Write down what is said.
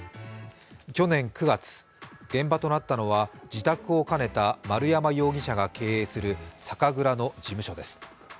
去年９月、現場となったのは自宅を兼ねた丸山容疑者が経営する酒蔵の事務所です。